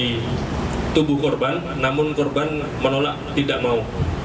di tubuh korban namun korban menolak tidak mau